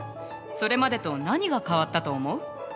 それまでと何が変わったと思う？